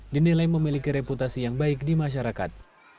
dinilai memiliki reputasi yang baik di masyarakat